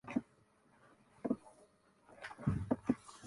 笑っているというより、笑ってあげてる感じだった